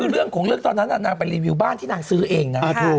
คือเรื่องของเรื่องตอนนั้นนางไปรีวิวบ้านที่นางซื้อเองนะ